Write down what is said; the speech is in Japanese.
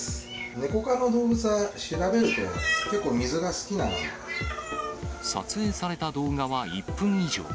ネコ科の動物は調べると、撮影された動画は１分以上。